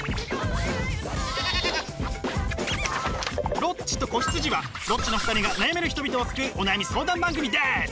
「ロッチと子羊」はロッチの２人が悩める人々を救うお悩み相談番組です！